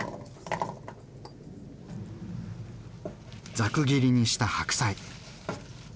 ざく切りにした白菜。